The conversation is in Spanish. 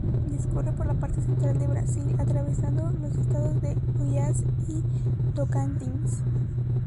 Discurre por la parte central de Brasil, atravesando los estados de Goiás y Tocantins.